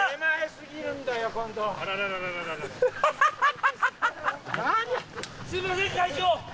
すいません会長！